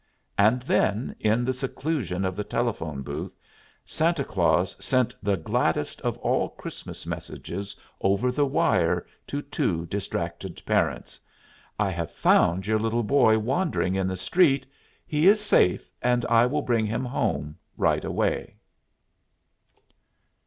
And then, in the seclusion of the telephone booth, Santa Claus sent the gladdest of all Christmas messages over the wire to two distracted parents: "_I have found your boy wandering in the street. He is safe, and I will bring him home right away.